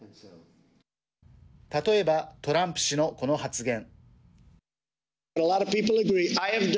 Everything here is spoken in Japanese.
例えば、トランプ氏のこの発言。